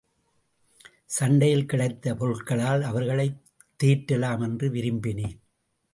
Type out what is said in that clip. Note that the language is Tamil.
சண்டையில் கிடைத்த பொருட்களால் அவர்களைத் தேற்றலாம் என்று விரும்பினேன்.